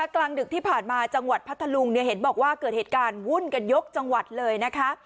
กลางดึกที่ผ่านมาจังหวัดพัทธลุงเนี่ยเห็นบอกว่าเกิดเหตุการณ์วุ่นกันยกจังหวัดเลยนะคะ